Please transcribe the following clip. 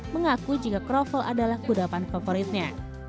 mengaku jika krovol adalah budapan favoritnya